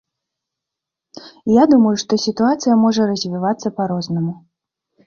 Я думаю, што сітуацыя можа развівацца па-рознаму.